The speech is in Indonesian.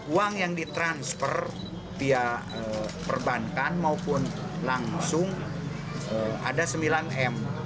uang yang ditransfer pihak perbankan maupun langsung ada sembilan m